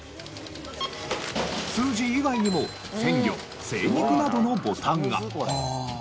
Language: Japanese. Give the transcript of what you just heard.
数字以外にも「鮮魚」「精肉」などのボタンが。